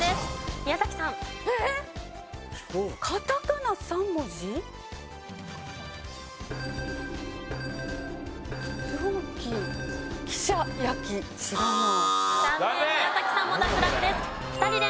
宮崎さんも脱落です。